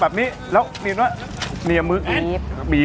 ปรากฏว่าจังหวัดที่ลงจากรถ